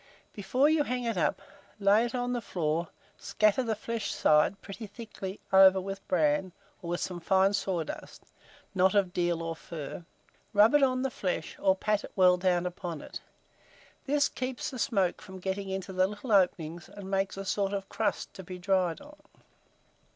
Before you hang it up, lay it on the floor, scatter the flesh side pretty thickly over with bran, or with some fine sawdust, not of deal or fir; rub it on the flesh, or pat it well down upon it: this keeps the smoke from getting into the little openings, and makes a sort of crust to be dried on.